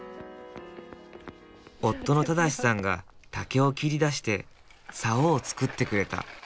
夫の正さんが竹を切りだして竿を作ってくれた。